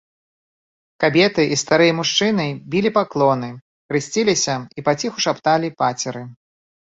Кабеты і старыя мужчыны білі паклоны, хрысціліся і паціху шапталі пацеры.